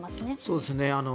そうですね。